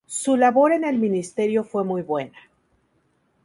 Su labor en el ministerio fue muy buena.